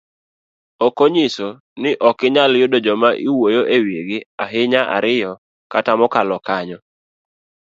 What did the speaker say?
Okonyiso ni okinyal yudo joma iwuoyo ewigi ahinya ariyo kata mokalo kanyo.